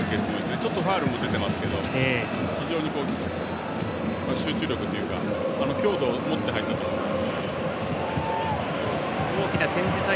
少しファウルも出ていますけども非常に集中力というか強度を持って入ったと思います。